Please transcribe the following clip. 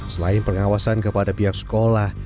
selain pengawasan kepada pihak sekolah